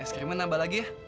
ayo es krim menambah lagi ya